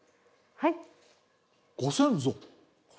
はい。